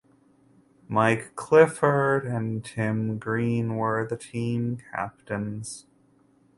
Mike Clifford and Tim Greene were the team captains.